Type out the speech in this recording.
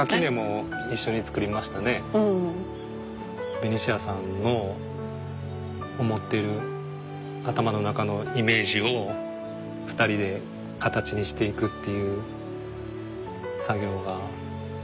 ベニシアさんの思ってる頭の中のイメージを２人で形にしていくっていう作業がすごい楽しくて。